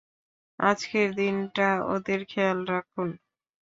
আজকের দিনটা ওদের খেয়াল রাখুন।